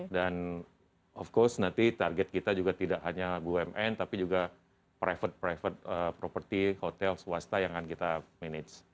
dan tentu saja nanti target kita juga tidak hanya bumn tapi juga private property hotel swasta yang akan kita manage